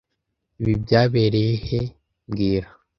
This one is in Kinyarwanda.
Ibi byabereye he mbwira